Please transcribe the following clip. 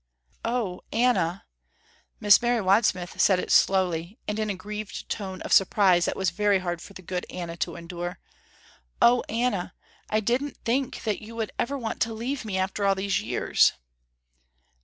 "Oh Anna," Miss Mary Wadsmith said it slowly and in a grieved tone of surprise that was very hard for the good Anna to endure, "Oh Anna, I didn't think that you would ever want to leave me after all these years."